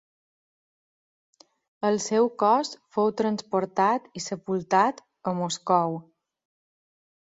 El seu cos fou transportat i sepultat a Moscou.